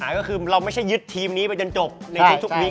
ก็คือเราไม่ใช่ยึดทีมนี้ไปจนจบในทุกปี